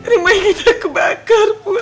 rumah kita kebakar bud